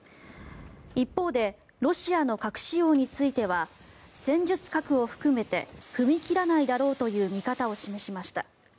一方でロシアの核使用については戦術核を含めて踏み切らないだろうという見方を示しました。